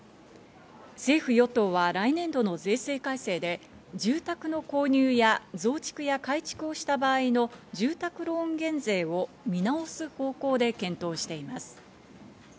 政府・与党は来年度の税制改正で住宅の購入や増築や改築をした場合の住宅ローン減税を見直す方向で検討しています。